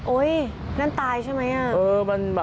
โอ้ยนั่นตายใช่ไหมอ่ะ